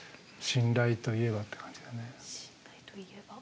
信頼といえば。